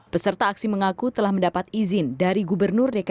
peserta aksi mengaku telah mendapat izin dari gubernur dki jakarta